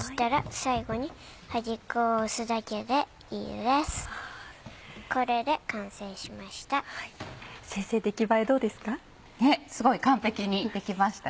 すごい完璧に出来ました。